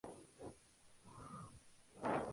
La venganza es un plato que se sirve frío